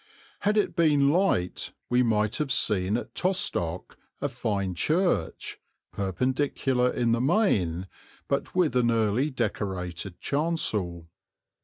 Had it been light we might have seen at Tostock a fine church, Perpendicular in the main, but with an early Decorated chancel.